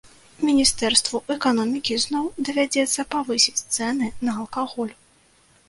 Міністэрству эканомікі зноў давядзецца павысіць цэны на алкаголь.